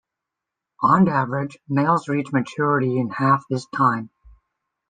On average, males reach maturity in half this time.